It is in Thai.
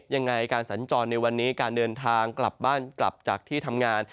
ยังไงการสัญจรในวันนี้การเดินทางกลับบ้านกลับจากที่ทำงาน